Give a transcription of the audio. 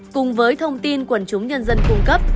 cùng với thông tin quần chúng nhân dân cung cấp